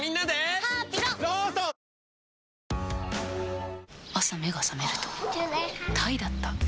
牛丼って、朝目が覚めるとタイだった